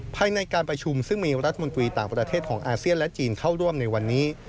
ภายในการประชุมซึ่งมีรัฐมนตรีต่างประเทศของอาเซียนและจีนเข้าร่วมในวันนี้